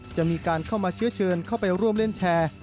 จะมีการเข้ามาเชื้อเชิญเข้าไปร่วมเล่นแชร์